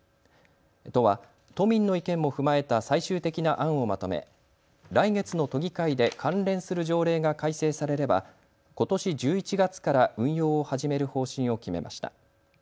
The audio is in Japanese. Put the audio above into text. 都は都民の意見も踏まえた最終的な案をまとめ、来月の都議会で関連する条例が改正されればことし１１月から運用を始める方針を決めました。